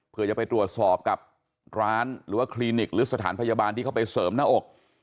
เพื่อจะไปตรวจสอบกับร้านหรือว่าคลินิกหรือสถานพยาบาลที่เขาไปเสริมหน้าอก